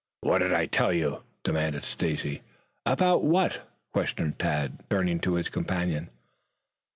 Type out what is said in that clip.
"What did I tell you?" demanded Stacy. "About what?" questioned Tad, turning to his companion.